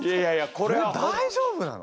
これ大丈夫なの？